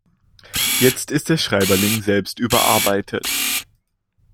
Jetzt ist der Schreiberling selbst überarbeitet.